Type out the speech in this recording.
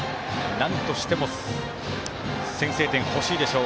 なんとしても先制点が欲しいでしょう